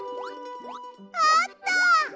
あった！